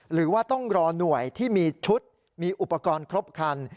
หรือว่าต้องรอหน่วยที่มีชุดมีอุปกรณ์ครบคัน